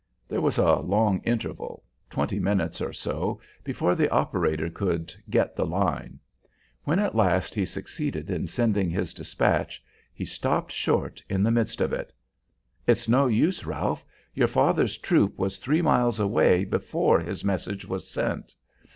There was a long interval, twenty minutes or so, before the operator could "get the line." When at last he succeeded in sending his despatch, he stopped short in the midst of it. "It's no use, Ralph. Your father's troop was three miles away before his message was sent.